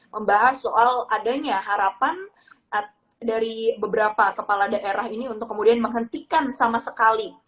membahas soal adanya harapan dari beberapa kepala daerah ini untuk kemudian menghentikan sama sekali